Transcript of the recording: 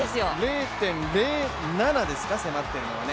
０．０７ですか、迫っているのはね。